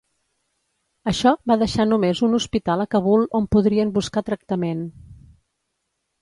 Això va deixar només un hospital a Kabul on podrien buscar tractament.